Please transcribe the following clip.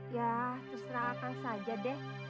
ya terserah akang saja deh